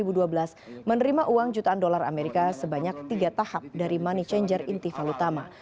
iwan menerima uang tiga lima juta dolar dari direktur biomorph loan johannes marlim